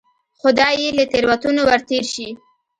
خدای یې له تېروتنو ورتېر شي.